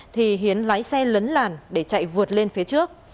thì hiến lái xe lấn làn để chạy vượt lên phía trước